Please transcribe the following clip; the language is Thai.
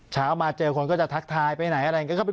เช้ามาเจอคนก็จะทักทายไปไหนอะไรอย่างนี้